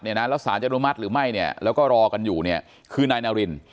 แล้วศาลจะอนุมัติศาลหรือไม่แล้วก็รอกันอยู่คือนายนาริน